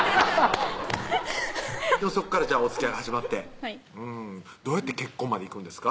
そこからおつきあい始まってはいどうやって結婚まで行くんですか？